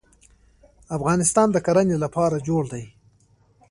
افغانستان د کرنې لپاره جوړ دی.